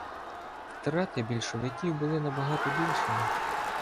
Втрати більшовиків були набагато більшими.